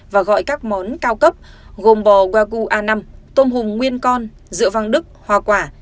và gọi các món cao cấp gồm bò wagyu a năm tôm hùm nguyên con dựa vang đức hòa quả